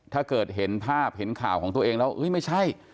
ถ้าเกิดเห็นภาพเห็นข่าวของตัวเองแล้วไม่ใช่